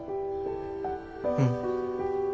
うん。